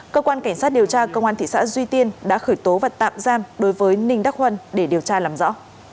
cơ quan cảnh sát điều tra công an thị xã duy tiên đã khởi tố và tạm giam đối với ninh đắc huân để điều tra làm rõ